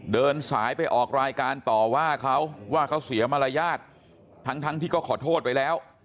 เดินสายไปออกรายการต่อว่าเขาว่าเขาเสียมารยาททั้งทั้งที่ก็ขอโทษไปแล้ว